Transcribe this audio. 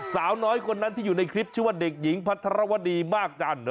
สาวน้อยคนนั้นที่อยู่ในคลิปชื่อว่าเด็กหญิงพัทรวดีมากจันทร์